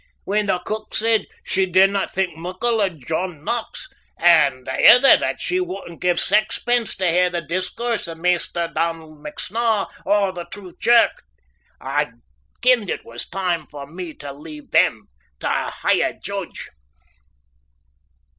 When the cook said she didna think muckle o' John Knox, and the ither that she wouldna give saxpence tae hear the discourse o' Maister Donald McSnaw o' the true kirk, I kenned it was time for me tae leave them tae a higher Judge.